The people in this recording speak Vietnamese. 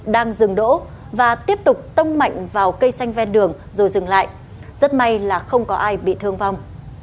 đang dừng đỗ và tiếp tục tông mạnh vào cây xanh ven đường rồi dừng lại rất may là không có ai bị thương vong